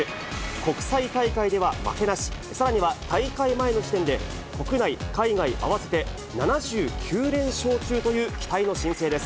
国際大会では負けなし、さらには大会前の時点で国内、海外合わせて７９連勝中という期待の新星です。